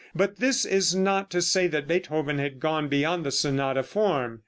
But this is not to say that Beethoven had gone beyond the sonata form.